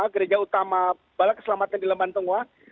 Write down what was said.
gereja utama bala keselamatan di lembantung